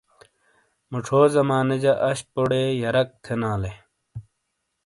موچھو زمانے جا انشپوڈے یرک تھینالے۔